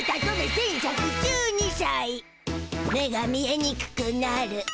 目が見えにくくなる。